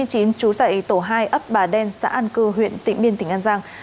trú tại tổ hai ấp bà đen xã an cư huyện tỉnh biên tỉnh an giang